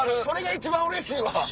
それが一番うれしいわ！